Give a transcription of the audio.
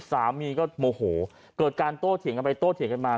สามีก็โมโหเกิดการโต้เถียงกันไปโต้เถียงกันมา